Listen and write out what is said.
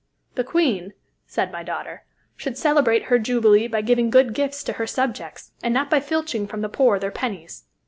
"The Queen," said my daughter, "should celebrate her Jubilee by giving good gifts to her subjects, and not by filching from the poor their pennies.